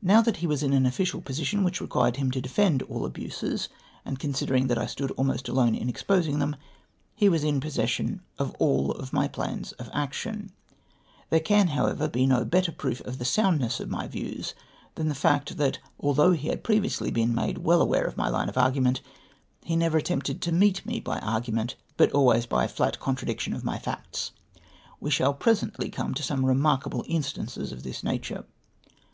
Now that he Avas in an official position which required him to defend all abitses, and considering that I stood almost alone in exposing them, he was in possession of all my plans of action ! There can, however, l^e no better proof of the soundness of my \iews, than the fact, that although he had previously been made well aware of my Hue of argument, he never attempted to meet me by argument, but always by * Pno e 2(1!). THE MAXCIIESTER PETITIOX. 279 Jldt conlradiction of my facU. We ^hall presently come to some remarkable instances of this nature.